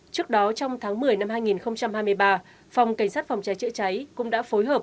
trước đó trong tháng một mươi năm hai nghìn hai mươi ba phòng cảnh sát phòng cháy chữa cháy cũng đã phối hợp